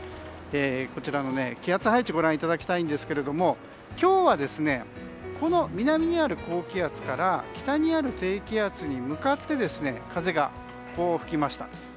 こちらの気圧配置をご覧いただきたいんですが今日は南にある高気圧から北にある低気圧に向かって風が吹きました。